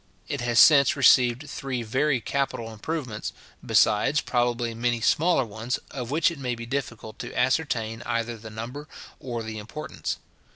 It has since received three very capital improvements, besides, probably, many smaller ones, of which it may be difficult to ascertain either the number or the importance.